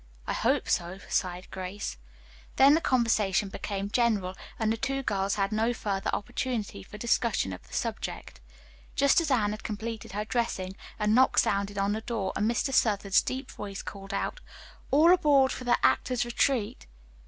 "I hope so," sighed Grace. Then the conversation became general and the two girls had no further opportunity for discussion of the subject. Just as Anne had completed her dressing, a knock sounded on the door, and Mr. Southard's deep voice called out: "All aboard for the actors' retreat."